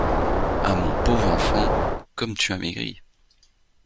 Ah ! mon pauvre enfant, comme tu as maigri !